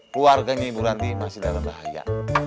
keluarganya ibu ranti masih dalam bahaya